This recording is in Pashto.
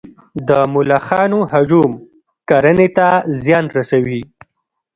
د ملخانو هجوم کرنې ته زیان رسوي؟